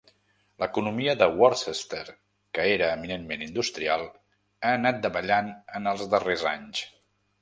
L'economia de Worcester que era, eminentment industrial, ha anat davallant en els darrers anys.